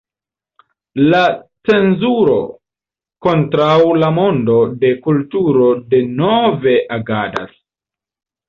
La cenzuro kontraŭ la mondo de kulturo denove agadas.